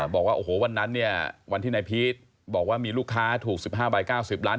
บอกว่าโอ้โหวันนั้นเนี่ยวันที่นายพีชบอกว่ามีลูกค้าถูก๑๕ใบ๙๐ล้าน